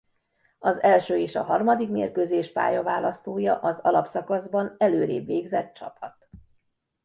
Az első és a harmadik mérkőzés pályaválasztója az alapszakaszban előrébb végzett csapat.